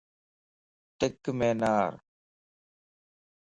ٽکَ مَ نارَ